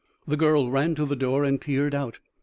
The girl ran to the door and peered out.